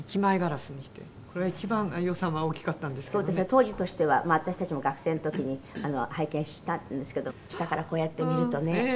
当時としては私たちも学生の時に拝見したんですけど下からこうやって見るとね